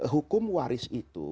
hukum waris itu